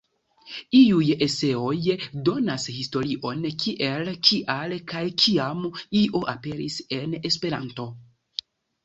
Iuj eseoj donas historion kiel, kial, kaj kiam "-io" aperis en Esperanto.